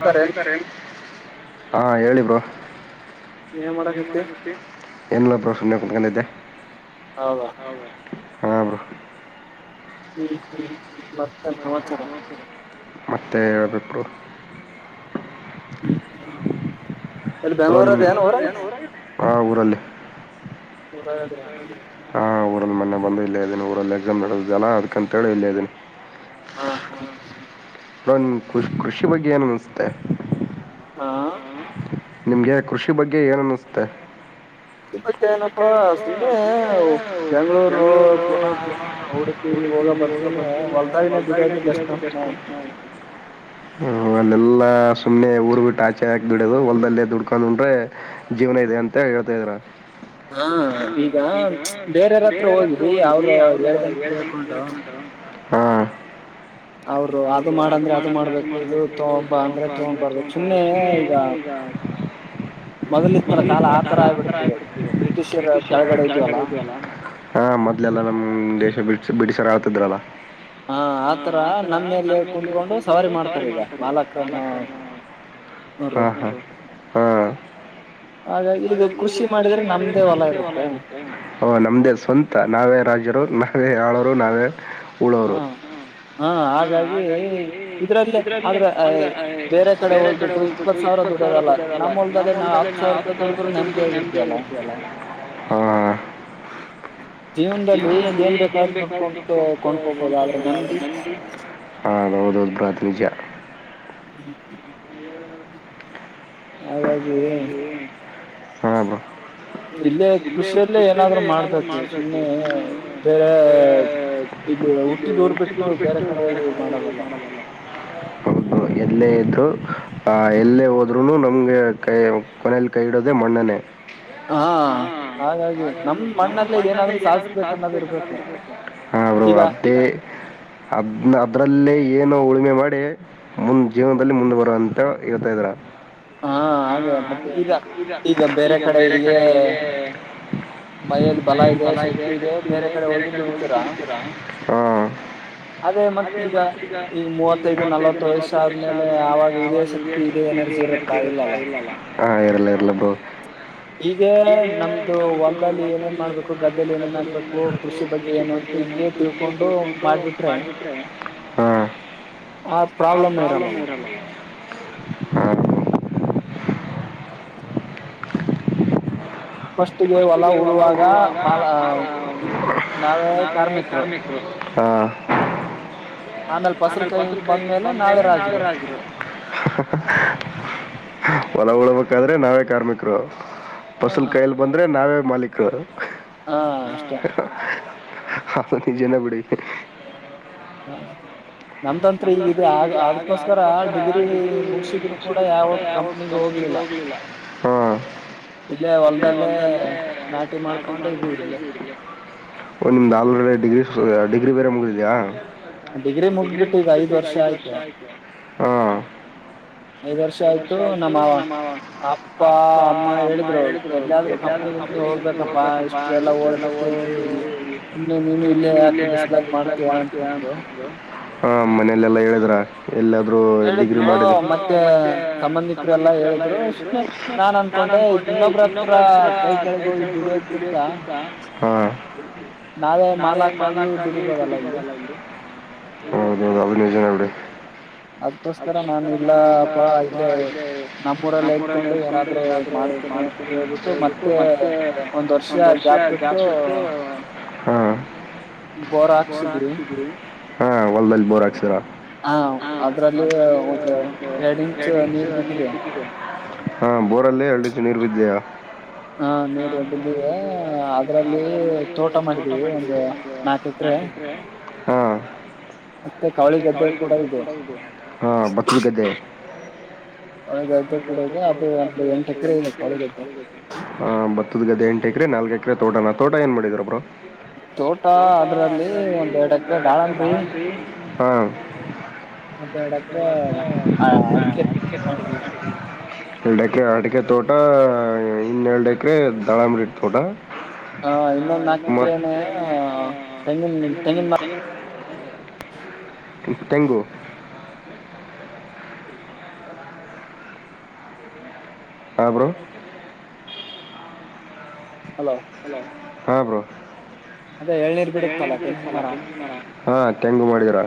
ಹಾ ಹೇಳಬ್ರರು ಏನ್ ಮಾಡಾಕತ್ತಿ ಏನ್ ಇಲ ಸುಮ್ನೆ ಕುತ್ತೋದ್ದೆ ಬ್ರೋ ಹರ ಬ್ರೋ ಮತ್ತೆ ಹೇಬೇಕರು ಬೆಯೋ ನಿಮ್ ಹ ಉರಲ್ಲಿ ಕೂಡ ಎದ ಊರಲ್ಲಿ ಮನೆ ಬಂದು ಇಲ್ಲೇ ಇದೀನಿ ಊರಲ್ಲಿ ಎಕ್ಸಾಮ್ ನಡೆೋದ ಜಲ್ಲ ಅದ ಅಂತೇಳ ಇಲ್ಲ ಇದ್ದನಿ ಹಾ ಹಾ ಬ್ರೋ ನಿಮ್ ಕೃಷಿ ಬಗ್ಗೆ ಏನು ಅನಿಸ್ತೆ ನಿಮಗೆ ಕೃಷಿ ಬಗ್ಗೆ ಏನುನ್ನಿಸುತ್ತೆ ಕ್ಕೆ ಏನಪ್ಪಾ ನಿಗೆ ಬೆಂಗಗಳೂರು ಹ ಯೋಗ ಬಗ್ ಹೊದ ಒಂದೆಲ್ಲ ಸುಮ್ಮ್ನೆ ಊರ್ ಬಿಟ್ಟ ಆಚೆ ಹಾಕ್ಿ ದುಡಿಯೋದು ಅಲ್ಲೇ ದುಡ್ಕೊಂಡ್ ಉಂಡ್ರೆ ಜೀವನ ಇದೆ ಅಂತ ಹೇಳ್ತಾ ಇದ್ರ ಹಾ ಈಗ ಬೇರೆಲ್ಲತ್ರ ಹೋಗಿದಿರಿ ಅವರು ಹೇಳ್ಬೇಕ ಹೇಳ್ಕಟಾರ ಹಾಂ ಅವೌರು ಅದು ಮಾಡಂದ್ರೆ ಅದು ಮಾಡ್ಬೇಕು ಇದು ಹಬ್ಬ ಅಂದ್ರೆ ತಗೊಂತರ್ಬೇಕು ಸುಮ್ಮನೆ ಈಗ ಮೊದಲ ಇತ್ತರ ಕಾಲ ಆತರ ಆಗ್ಿಬಿಡ್ತವೆ ಬ್ರಿಟಿಷ ಕೆಡೆ ಹಾ ಮೊದಲೆಲ್ಲಾ ನಮ ದೇಶ ಬಿಡ ಬಿ ಶರಾವತ ಇದ್ರಲ್ಲ ಹಾ ಆತರ ನಮ್ಮೇಲೆ ಕುಂತ್ಕೊಂಡು ಸವಾರಿ ಮಾಡ್ತಾರೆ ಈಗ ನಾಲ್ಕು ಜನ ಹಾ ಹಾ ಹಾ ಹಓ ನಮ್ದೇ ಸ್ವಂತ ನಾವೇ ರಾಜರು ಅೇ ಹೇಳಳೋರು ನಾವೇ ಉಳೋರು ಹಾ ಹಾಗಾಗಿ ಇದ್ರಲ್ಲೇ ಆದ್ರೆ ಬೇರೆ ಕಡೆ ಹೋಗ್ಬಿಟ್ಟು ಇಪ್ಪತ್ ಸಾವಿರ ದೊಡ್ಡದಲ್ಲ ನಮ್ಮ್ಲ್ದಡೆ ನಾ ಹತ್ತು ಸಾವಿರ ಹಾ ಜವ್ರಲ್ಲಿ ಏನ್ ಬೇಕಾದ ಕೊಂಡ್ಸೋಗಬಾಗ ಅವ್ರ ಮಂದಿ ಹ ನೌ ದೌ ಪ್ರಾರ್ಥನಿಕ ಹ್ಮ್ ಹಾಗಾಗಿ ಹಬ್ರ ಇಲ್ಲಿ ಖುಷಿಯಲ್ಲೇ ಏನಾದ್ರರು ಮಾಡಬೇಕ ನೀ [unintelligible] ಹೌದು ಎಲ್ಲೇ ಇದ್ದು ಆ ಎಲ್ಲೇ ಹೋದ್ರುನು ನಮ್ಗೆ ಕೈ ಕೊನಲಿ ಕೈ ಇಡೋದೆ ಮಣ್ಣನೆ ಹಾ ಹಾಗಾಗಿ ಏನಾದೂ ಸಾ ಹ ಅವರು ಅದೇ ಅದ್ ಅದ್ರಲ್ಲೇ ಏನೊ ಉಳ ಕಮೆ ಮಾಡಿ ಮುಂದ್ ಜೀವನದಲ್ಲಿ ಮುಂದೆ ಬರುವ ಅಂತ ಹೇಳ್ತಾ ಇದ್ರ ಹಾ ಹಾಗ ಮತ್ತೆ ಈಗ ಈಗ ಬೇರೆ ಕಡೆ ಹೀಗೆ ಮೈಯಲ್ಲಿ ಬಲ ಇದೆ ಶಕ್ತಿ ಇದೆ ಬೇರೆ ಕಡೆ ಹೋಗಿ ದುಡಿತೀರಾ ಅದೇ ಮತ್ತ ಈಗ ಈಗ ಮೂವತ್ತೈದು ನಲ್ವತ್ತು ವಯಸ ಆದ್ಮೇಲೆ ಆಗ ಇದೇ ಶಕ್ತಿ ಇದೇ ಎನರ್ಜಿ ಇರುತ್ತೆ ಹಾ ಇರಲ್ಲ ಇರಲ್ಲಬ ಹೀಗೆ ನಮ್ದು ಒಟಲ್ಲಿ ಏನೇನ್ ಮಾಡ್ಬೇಕು ಗದಲಿ ಏನೇನ್ಕು ಕೃಷಿ ಬಗ್ಗೆ ಏನಂತ ಇ ತಿಳ್ಕೊಂಡು ಮಾಡ್ಬಿಟ್ರೆ ಹ ಆ ಪ್ರಾಬ್ಲಮ್ ಇರಲ್ಲ ಫಸ್ಟಗೆ ಹೊಲ್ಲ ಹರುವಾಗ ನಾವೇ ಕಾರ್ಮಿಕರು ಹ ಆಮೇಲೆ ಪಸ್ರ ಕೈಬಂದ್ಮೇಲೆ ನಾವೆರಾಗಿ ಹೊಲ ಉಳ್ಬೇಕಾದ್ರೆ ನಾವೇ ಕಾರ್ಮಿಕರು ಫಸಲ್ ಕಾಯಯಲ್ಲಿ ಬಂದ್ರೆ ನಾವೇ ಮಾಲಕ್ ಹಾ ಅಷ್ಟೇ ಹ ನಿಜನ ಬಿಡಿ [unintelligible] ನಮ್ ತಂತ್ರ ಈಗ ಆಗ ಅದ್ಕೋಸ್ಕರ ಡಿಗ್ರಿ ಮುಗಸಿದ್ರು ಕೂಡ ಯಾವಾಗ ಕಂಪ್ನಿಗಿ ಹ್ಮ ಇದ್ರ ಹೊಲ್ದಲ್ಲೇ ನಾಟಿ ಮಾಡ್ಕೊಂಡೆ ಇದವಿರಿಗೆ ಓನಿಮ್ದ್ ಆಲ್ರೆಡಿ ಡಿಗ್ರಿ ಡಿಗ್ರಿ ಬೇರೆ ಮುಗಿದ್ಯಾ ಡಿಗ್ರಿ ಮುಗ್ಬಿಟ್ಟು ಈಗ ಐದ್ ವರ್ಷ ಆಯ್ತು ಹಾ ಐದ್ ವರ್ಷ ಆಯ್ತು ನಮ್ಮ ಅಪ್ಪ ಅಮ್ಮ ಹೇಳಿದ್ರು ಎ ಹೋಗ್ಬೇಕಪ್ಪ ಇಷ್ಟು ಎಲ್ಲ ಹಓಲ್ಬೇಕು ಇನ್ನ ನೀನು ಇಲ್ಲೇ ಹು ಹಾ ಮನೇಲೆಲ್ಲಾ ಹೇಳಿದ್ರ ಎಲ್ಲಾದ್ರು ಡಿಗ್ರಿ ಮಾಡಿದ್ರು ಮತ್ತೆ ಸಂಬದಿಕ್ರು ಹೇಳಿದ್ರು ಅಂದನ್ಕೊಂಡೆ ಇನ್ನೋಗ್ರಾಫ್ರ ಕೈ ಕೆಳಗ ದುಡಿಯೋಕಿಂತ ನಾವೇ ಮಾಲಕ್ಕಾಗಿ ದುಡಿಬೊದಲ್ಲ ಅಲ್ಲಿ ಹ ಅದ ಅದು ನಿಜಾನೆ ಬಿಡಿ ಅದಕ್ಕೋಸ್ಕರ ನಾನು ಇಲ್ಲ ಅಬ್ಬ ಇ ನಮ್ಮೂರಲ್ಲಿ ಎಳ್ತ್ಕೊಂಡು ಏನಾದ್ರು ಮಾಡ್ತೀ ಅಂತ ಹೇಳ್ಬಿಟ್ಟು ಮತ್ತೆ ಒಂದ್ ವರ್ಷ ಜಾಬ್ ಸಿಟ್ಟು ಹಾ ಹಾ ಹೊಲ್ದಲ್ಲಿ ಬೋರ್ ಹಾಕ್ತೀರಾ [unintelligible] ಹಾ ಬೋರಲ್ಲೇ ಎರಡು ಇಂಚ್ ನಿರ್ ನೀರ್ವಿದ್ಯೆಯಾ [inaudible] ಹಾ ನೀರ ಬಿದ್ದಿದೆ ಅದರಲ್ಲಿ ತೋಟ ಮಾಡಿದ್ದೀವಿ ಒ ನಾಲ್ಕಕ್ರೆ ಹಾ ಹಾ ಬತ್ತ ಗದ್ದೆ ಹೌದೌದು ಹ ಬತ್ತದ್ ಗದ್ ಎಂಟ ಎಕ್ರರೆೆ ನಾಲ್ಕಕ ತೋಟಾನ ತೋಟ ಏನು ಮಾಡಿದರ ಬ್ರೋ ತೋಟ ಅದ್ರಲ್ಲಿ ಒಂದ್ ಎರಡ್ ಎಕರೆ ದಾಳ ಹಾ ಒಂದ್ ಎರಡ ಎಕರೆ ಅ ಅಡಿಕೆ ಮಾಡಿದಿವಿ ಎರಡು ಎಕರೆೆ ಅಡಿಕೆ ತೋಟ, ಇನ್ನೆರಡ್ ಎಕರೆ ದಾಳಂಬ್ರೀ ತೋಟ [unintelligible] ತೆಂಗು ಆ ಬ್ರೋ ಹಾ ಬ್ರೋ ಹಾ ತೆಂಗು ಮಾಡೀದಿರ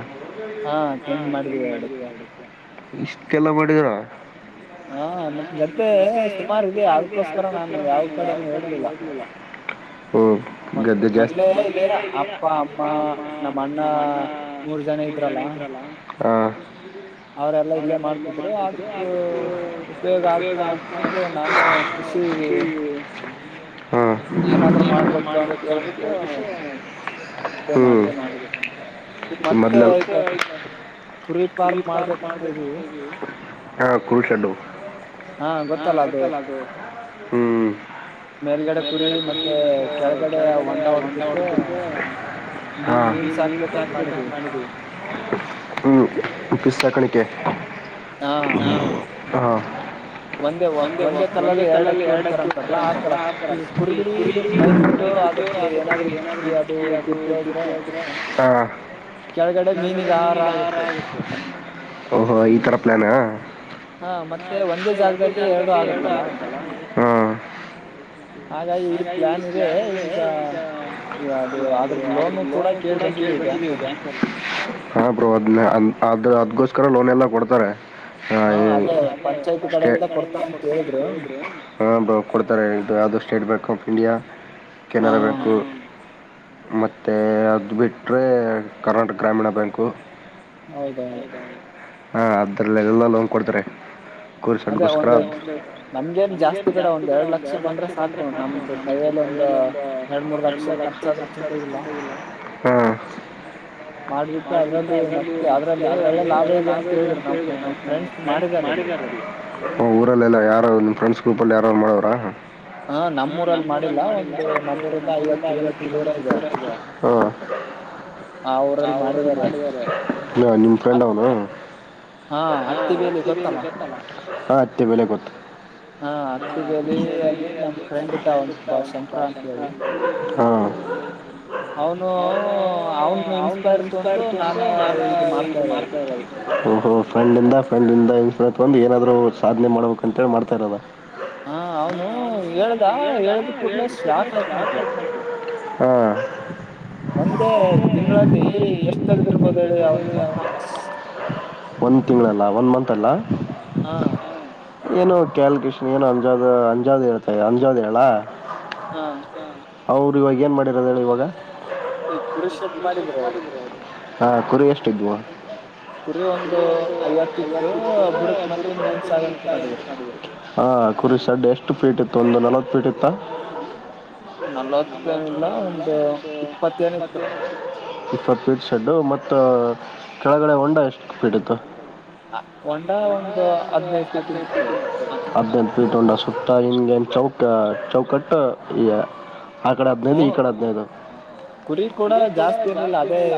ಇಷ್ಟೆಲ್ಲ ಮಾಡಿದಿರಾ ಹಾ ಆಮೇಲ್ [unintelligible] ಹೂಂ ಗದ್ದೆ ಜಾಸ್ತಿ ಹಾ ಅವರೆಲ್ಲ ಇಲ್ಲೇ ಮಾಡ್ತಿದ್ರು [unintelligible] [unintelligible] ಹಾಂ ಹ್ಞೂಂ ಮದ್ಲ ಹಾ ಕೂಳ್ಷಡ್ಡು ಹಾ ಗೊತ್ತಲ್ಲ ಅದು ಹ್ಮ್ ಮೇಲ್ಗಡೆ ಕುರಿ ಮತ್ತೆ ಕೆಳಗಡೆ ಹೊಂಡ ಹೊಡ್ಬೇಕು ಹಾ ಹ್ಮ ಪಿಸ್ಸಾಕಣಿಕೆ ಹಾ ಹಾ ಒಂದೇ ಒಂದೇ ಕಲ್ಲಲ್ಲಿ ಎರಡಕ್ಕಿ ಹೊಡಿತಾರಂತಲ್ಲಾ ಆತರ [unintelligible] ಓಹೋ ಈತರ ಪ್ಲಾನಾ ಹಾ ಮತ್ತೆ ಒ ಒಂದು ಜಾಗದಲ್ಲಿ ಎರಡು ಆಗುತ್ತಲ್ಲ ಹಾ ಹಾಗಾಗಿ ಇ ಪ್ಲ್ಯಾನಿಗೆ ಈಗ ಅದು ಅದ್ರ ಲೋನು ಕೂ ಹಾ ಬ್ರೋ ಅದ್ ಅ ಅದ್ಗೋಸ್ಕರ ಲೋನ್ ಎಲ್ಲಾ ಕೊಡ್ತಾರೆ ಹಾ ಅದೇ ಪಂಚಾಯ್ತಿ ಸ್ಟೇ ಹಾ ಬ್ರೋ ಕೊಡ್ತಾರೆ ಇದು ಅದು ಸ್ಟೇಟ್ ಬ್ಯಾಂಕ್ ಕ್ ಆಫ್ ಇಂಡಿಯಾ ಕೆನರಾ ಬ್ಯಾಂಕು ಮತ್ತೆ ಅದ್ ಬಿಟ್ಟ್ರೆ ಕರ್ನಾಟಕ ಗ್ರಾಮೀಣ ಬ್ಯಾಂಕು ಹಾ ಅದ್ರಲ್ಲ ಎಲ್ಲ ಲೋನ್ ಕೊಡ್ತಾರೆ ಕುರಿ ಶೆಡ್ಗೋಸ್ಕ್ರ ನಮ್ಗೆನ್ ಜಾಸ್ತಿ ಬೇಡ ಒಂದ್ ಎರಡು ಲಕ್ಷ ಬಂದ್ರೆ ಸಾಕು ನಮ್ದು ಕೈಯಲ್ಲೊಂದು ಎರಡು ಮೂರು ಲಕ್ಷ ಹ್ಮ್ [unintelligible] ಊರಲ್ಲೆಲ್ಲ ಯಾರ ನಿಮ್ ಫ್ರೆಂಡ್ಸ್ ಗ್ರೂಪಲ್ಲಿ ಯಾರ್ರು ಮಾಡವ್ರಾ ಹಾ ನಮ್ಮೂರಲ್ಲಿ ಮಾಡಿಲ್ಲ ಒಂದೂ ನಮ್ಮೂರಿಂದ ಐವತ್ತ್ ಕಿಲೋ ಮೀಟರ್ ದೂರ ಇದೆ ಹ್ಞೂಂ ಅವ್ರಲ್ ಮಾಡಿದಾರೆ ಆ ನಿಮ್ ಫ್ರೆಂಡ್ ಅವ್ನು ಹಾ ಅತ್ತಿಬೇಲಿ ಗೊತ್ತಲ್ಲ ಹಾ ಅತ್ತಿಬೇಲಿ ಗೊತ್ತು ನನ್ನ ಫ್ರೆಂಡ್ ಇದ್ದಾ ಸುಭಾಷ್ ಅಂತ ಅವನು ಅವನು ಇನ್ಸ್ಪೈರ್ ತೊಗೊಂಡು ನಾನು ಇದು ಮಾಡ್ತಾ ಇರೋದು ಓಹೋ ಫ್ರೆಂಡಿಂದ ಫ್ರೆಂಡಿಂದ ಇಂದ ಏನಾದ್ರೂ ಸಾಧನೆ ಮಾಡಬೇಕ ಅಂತ ಹೇಳಿ ಮಾಡ್ತಾ ಇರದ ಹಾ ಅವ್ನು ಹೇಳ್ದ ಹೇಳ್ದ ಕೂಡ್ಲೆ ಶಾಕ್ ಆಯ್ತ್ ನನ್ಗೆ ಹಾ ತಗ್ದಿರ್ಬೋದ ಹೇಳಿದ ಅವನು ಮೊತ್ತ ಒಂದು ತಿಂಗಳಲ್ಲ ಒನ್ ಮಂತ್ ಅಲ್ಲ ಏನೋ ಕ್ಯಾಲ್ಕಷನ್ ಏನು ಅಂಜಾದ್ ಅಂಜಾದು ಹೇಳ್ತಾ ಅಂಜಾದ್ ಹೇಳ ಅವರು ಇವಾಗ ಏನು ಮಾಡಿರೋದೆ ಹೇಳು ಇವಾಗ ಈ ಕುರಿ ಶೇಡ್ ಮಾಡಿದ್ರ ಅವರು ಹಾ ಕುರಿ ಎಷ್ಟ್ ಇದವು ಕುರಿ ಐವತ್ತು ಇತ್ತು [unintelligible] ಆ ಹಾ ಕುರಿಶೇಡ್ ಎಷ್ಟು ಪೀಟ್ ಇತ್ತು ಒಂದು ನಲ್ವತ್ತು ಪೀಟ್ ಇತ್ತ ನಲವತ್ತು ಇಲ್ಲ ಒಂದು ಇಪ್ಪತ್ತು ಪೀಟ್ ಇತ್ ಮತ್ತೆ ಕೆಳಗಡೆ ಹೊಂಡಾ ಎಷ್ಟು ಪೀಟ್ಟಿತ್ತು ಹೊಂಡಾ ಒಂದು ಹದಿನೆಂಟು ಪೀಟ್ ಇತ್ ಹದಿನೆಂಟು ಪೀಟ್ ಅದ್ ಶಿಫ್ಟ್ ಆಗಿ ಏನು ಚೌಕ ಚೌಕಟ್ಟ ಈ ಆ ಕಡೆ ಹದಿನೈದು ಈ ಕಡೆ ಹದಿನೈದು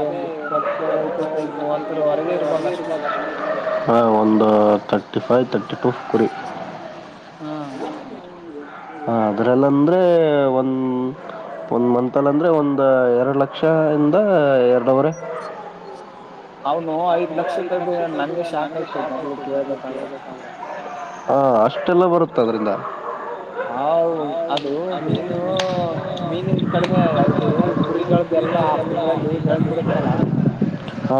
ಒಂದು ಇಪ್ಪತ್ತು ಇಪ್ಪತ್ತೈದು ಮೂವತ್ತವರೆಗೆ ಇರ್ಬೋದ್ ಅಷ್ಟೇ ಹಾ ಒಂದು ತರ್ಟಿ ಫೈವ್ ತರ್ಟಿ ಟು ಕುರಿ ಹಾ ಅಷ್ಟೇ ಹ ಅದ್ರಲ್ಲಂದ್ರೆ ಒಂದ್ ಒಂದು ಮಂತಲ್ಲಂದರೆೆ ಒಂದು ಎರಡು ಲಕ್ಷ ಇಂದ ಎರಡುವರೆ ಹ ಅವನೂ ಐದು ಲಕ್ಷಕ್ಕೆ ತೆಗದ್ದಿದ್ದಾನೆ ನನಗೆ ಶಾಕ್ ಆಯ್ತು ಅದನ್ನ ಕೇಳಬೇಕಾದ್ರೆ ಅಷ್ಟೆಲ್ಲ ಬರುತ್ತ ಅದ್ ರಿಂದ ಹ ಅದು ಮೀನು ಮೀನಿಂದ ಕಡಿಮೆ ಇದು ಕುರಿಗಳ್ದ್ ಎಲ್ಲಾ ಆರು ತಿಂಗಳಲ್ಲಿ ಬೆಳೆದ್ ಬಿಡುತ್ತಲ್ಲ ಹಾ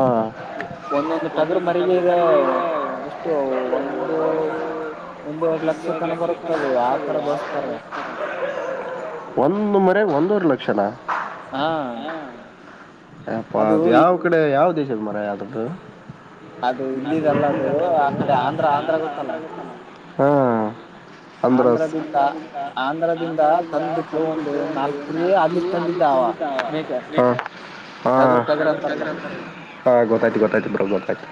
ಒಂದೊಂದು ಕುರಿ ಮರಿಗೂ ಒಂದು ಒಂದೂವರೆ ಲಕ್ಷ ಬರ್ತದೆ ಅತರ ಮೇಸ್ತಾರೆ ಒಂದ್ ಮರಿಯಾಗ ಒಂದೂವರೆ ಲಕ್ಷ್ ಹಾ ಅದು ಯಾವ ಕಡೆ ಯಾವ ದೇಶದ ಮಾರಯ್ಯ ಅದದ್ದು ಅದು ಇಲ್ಲಿಂದ ಅಲ್ಲ ಆಕಡೆ ಆಂಧ್ರ ಆಂಧ್ರದ್ದು ಮರಿ ಹ ಆಂದ್ರ್ಸ್ ಆಂಧ್ರದಿಂದ ಆಂಧ್ರದಿಂದ ತಂದ್ಬಿಟ್ಟ ಒಂದು ನಾಲ್ಕು ಕುರಿ ಖಂಡಿತಾ ಹಾ ಹಾ ಆಡು ಟಗರು ಅಂತಾರ ಅಲ್ಲ ಅ ಗೊತತ್ತು ಗೊತತ್ತು ಬೀಡ್ ಗೊತತ್ತ್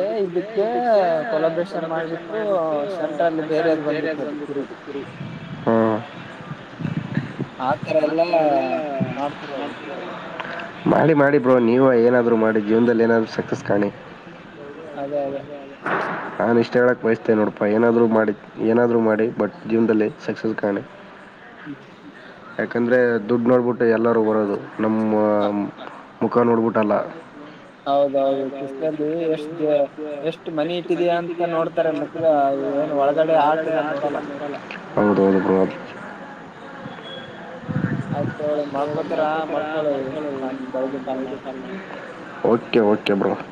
ಅದಕ್ಕೆ ಇದಕ್ಕೆ ಸೆಲೆಬ್ರೇಷನ್ ಮಾಡಬೀಟ್ ಸೆಂಟ ಅಲ್ಲಿ ಬೇರ್ಯಾದ್ ಬಂದ ಇಪ್ಪತ್ತು ಕುರಿ ಹ್ಮ್ ಆತರ ಬಂದ್ಮೇಲೆ ನೋಡ್ತಾರೆ ಮಾಡಿ ಮಾಡಿ ಬ್ರೋ ನೀವು ಏನಾದರೂ ಮಾಡಿ ಜೀವನದಲ್ಲಿ ಏನಾದರೂ ಸಕ್ಸಸ್ ಕಾಣಿ ಅದೇ ಅದೇ ಅಷ್ಟ್ ಹೇಳಕ್ಕೆ ಬಯಸ್ತೀನಿ ನೋಡಪಾ ಏನಾದರೂ ಮಾಡಿ ಏನಾದರೂ ಮಾಡಿ ಬಟ್ ಜೀವನದಲ್ಲಿ ಸಕ್ಸಸ್ ಕಾಣಿ ಹ್ಮ್ ಯಾಕಂದರೆ ದುಡ್ಡು ನೋಡಿಬಿಟ್ಟು ಎಲ್ಲರೂ ಬರೋದು ನಮ್ಮ ಮುಖ ನೋಡ್ಬಿಟ್ಟಲ್ಲ. ಹ್ಮ್ ಹೌದೌದು ಕಿಸ್ತಲ್ಲಿ ಎಷ್ಟ್ ಎಷ್ಟ್ ಮನಿ ಇಟ್ಟಿದ್ಯಾ ಅಂತ ನೋಡ್ತಾರೆ ಮುಖ್ದ ಅ ಅವು ಹೊರಗಡೆ ಅಚ್ಚೆ ಏನು ನೋಡಿಲ್ಲ ಹೌದೌದು ಬ್ರೋ ಆಯ್ತ್ ಮಲ್ಕೋತರಾ ಮಲ್ಕೊಳಿ ನ ನಾನ್ [unintelligible] ಓಕೆ ಓಕೆ ಬ್ರೋ ಹ್ಮ